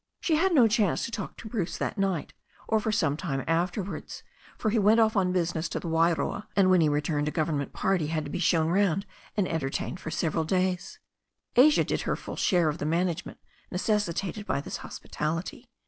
She had no chance to talk to Bruce that night, or for some time afterwards, for he went off on business to the Wairoa, and when he returned a government party had to be shown round and entertained for several days. Asia did her full share of the management necessitated by this hospitality.